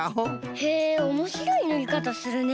へえおもしろいぬりかたするね。